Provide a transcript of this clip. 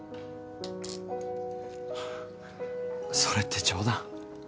それって冗談？